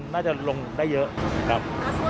น่าจะลงได้เยอะครับ